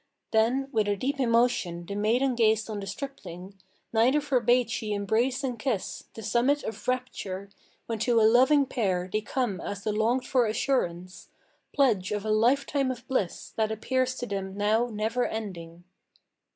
Then with a deep emotion the maiden gazed on the stripling; Neither forbade she embrace and kiss, the summit of rapture, When to a loving pair they come as the longed for assurance, Pledge of a lifetime of bliss, that appears to them now never ending.